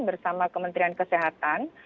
bersama kementerian kesehatan